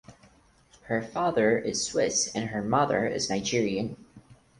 Her father is Swiss and her mother is Nigerian.